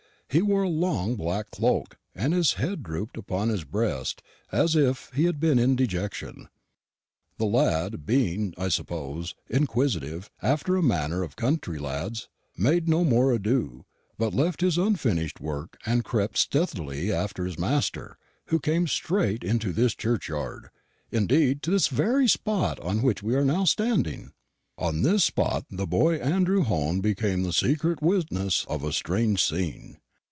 He wore a long black cloak, and his head drooped upon his breast as if he had been in dejection. The lad being, I suppose, inquisitive, after the manner of country lads made no more ado, but left his unfinished work and crept stealthily after his master, who came straight to this churchyard, indeed to this very spot on which we are now standing. "On this spot the boy Andrew Hone became the secret witness of a strange scene.